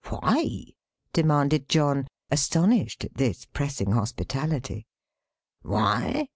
"Why?" demanded John, astonished at this pressing hospitality. "Why?"